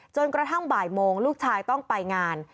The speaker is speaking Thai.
จนกระทั่งบ่ายโมงลูกชายต้องไปงาน